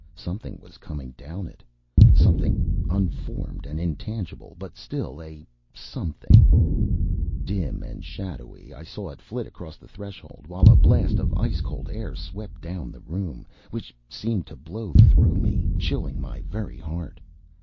Something was coming down it something unformed and intangible, but still a something. Dim and shadowy, I saw it flit across the threshold, while a blast of ice cold air swept down the room, which seemed to blow through me, chilling my very heart.